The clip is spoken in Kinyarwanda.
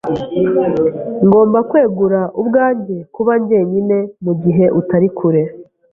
Ngomba kwegura ubwanjye kuba njyenyine mugihe utari kure.